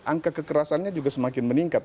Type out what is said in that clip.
angka kekerasannya juga semakin meningkat